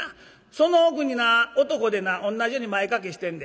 その奥にな男でな同じように前掛けしてんで。